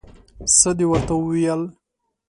څه دې ورته وویل؟